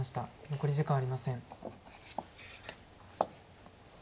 残り時間はありません。